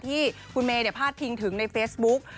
ที่คุณเมย์พาดพิงถึงในเฟซบุ๊ก